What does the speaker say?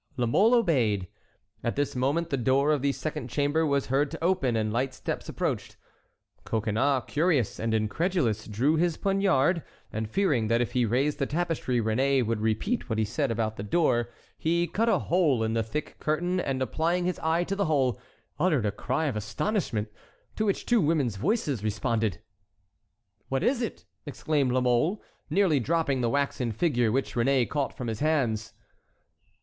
'" La Mole obeyed. At this moment the door of the second chamber was heard to open, and light steps approached. Coconnas, curious and incredulous, drew his poniard, and fearing that if he raised the tapestry Réné would repeat what he said about the door, he cut a hole in the thick curtain, and applying his eye to the hole, uttered a cry of astonishment, to which two women's voices responded. "What is it?" exclaimed La Mole, nearly dropping the waxen figure, which Réné caught from his hands.